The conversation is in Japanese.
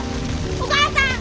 お母さん！